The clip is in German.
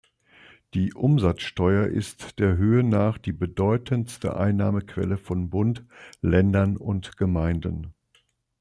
Die Umsatzsteuer ist der Höhe nach die bedeutendste Einnahmequelle von Bund, Ländern und Gemeinden.